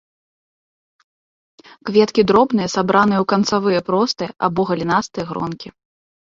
Кветкі дробныя, сабраныя ў канцавыя простыя або галінастыя гронкі.